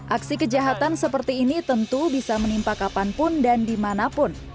aksi kejahatan seperti ini tentu bisa menimpa kapanpun dan dimanapun